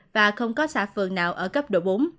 và không có xã phường nào ở cấp độ bốn